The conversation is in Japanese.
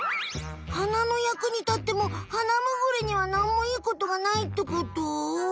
花の役に立ってもハナムグリにはなんもいいことがないってこと？